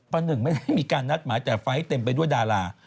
หนึ่งไม่ได้มีการนัดหมายแต่ไฟล์เต็มไปด้วยดารา